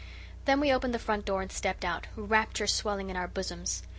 Then we opened the front door and stepped out, rapture swelling in our bosoms.